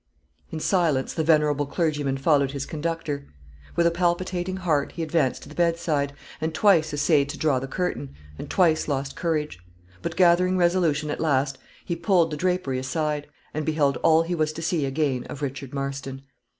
In silence the venerable clergyman followed his conductor. With a palpitating heart he advanced to the bedside, and twice essayed to draw the curtain, and twice lost courage; but gathering resolution at last, he pulled the drapery aside, and beheld all he was to see again of Richard Marston.